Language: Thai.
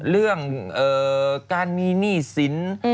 เรื่องการมีหนี้สิน